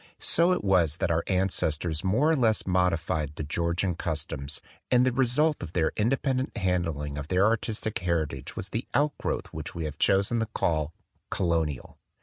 So it was that our ancestors more or less modified the Georgian customs; and the result of their independent handling of their artistic heritage was the outgrowth which we have chosen to call " Colonial."